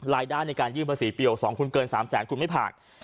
รายด้านในการยืมภาษีเปรี้ยว๒คุณเกิน๓แสนคุณไม่ผ่าน